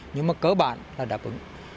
nhưng mà cơ bản là đã vững